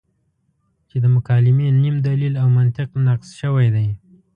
چې د مکالمې نیم دلیل او منطق نقص شوی دی.